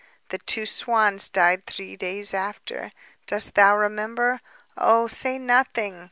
The two swans died three days after ... Dost thou remember? Oh, say nothing